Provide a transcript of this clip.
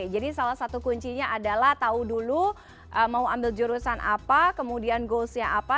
jadi salah satu kuncinya adalah tahu dulu mau ambil jurusan apa kemudian goals nya apa